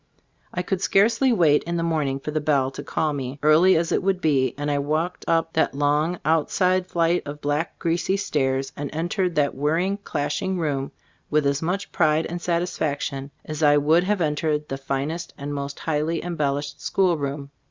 I could scarcely wait in the morning for the bell to call me, early as it would be, and I walked up that long, outside flight of black, greasy stairs and en tered that whirring, clashing room with as much pride and satisfaction as I would have entered the finest and Gbe Storg of Ag Gbfiaboofc 105 most highly embellished schoolroom.